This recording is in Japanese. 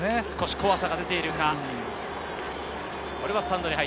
少し怖さが出てきてるか？